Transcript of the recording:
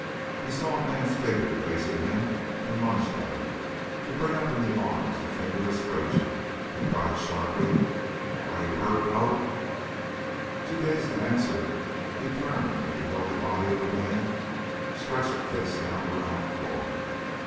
He saw a man's figure facing him, and lunged at it, to bring up in the arms of "Fingerless" Fraser, who cried sharply: "Are you hurt, Bo?" Too dazed to answer, he turned and beheld the body of a man stretched face downward on the floor.